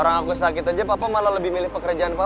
kamu tau apaan bener nih